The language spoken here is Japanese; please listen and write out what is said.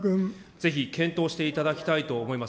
ぜひ検討していただきたいと思います。